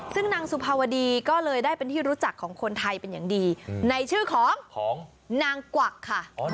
ซึ่งนางสุภาวดีก็เลยได้เป็นที่รู้จักของคนไทยเป็นอย่างดีในชื่อของนางกวักค่ะ